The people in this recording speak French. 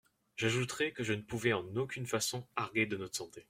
J'ajouterai que je ne pouvais en aucune façon arguer de notre santé.